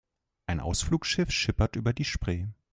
Ein Ausflugsschiff schipperte über die Spree.